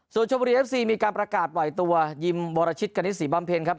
ส่วนชมบุรีเอฟซีมีการประกาศปล่อยตัวยิมบรชิตกณิตศรีบำเพ็ญครับ